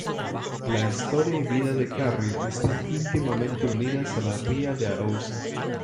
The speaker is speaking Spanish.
La historia y vida de Carril, están íntimamente unidas a la Ría de Arousa.